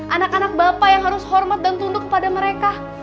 anak anak bapak yang harus hormat dan tunduk kepada mereka